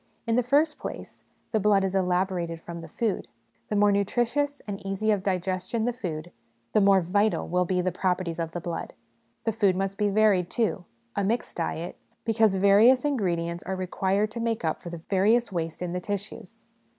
In the first place, the blood is elaborated from the food ; the more nutritious and easy of digestion the food, the more vital will be the properties of the blood. The food must be varied, too, a mixed diet, because various ingredients are required to make up for the various waste in the tissues.